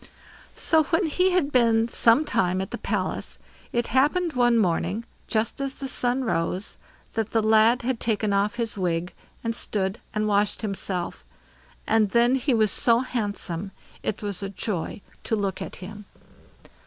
So, when he had been some time at the palace, it happened one morning, just as the sun rose, that the lad had taken off his wig, and stood and washed himself, and then he was so handsome, it was a joy to look at him.